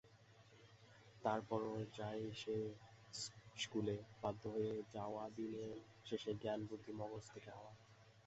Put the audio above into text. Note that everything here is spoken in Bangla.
তার পরও যাও সেই ইশকুলে, বাধ্য হয়ে যাওয়াদিনের শেষে জ্ঞান-বুদ্ধি মগজ থেকে হাওয়া।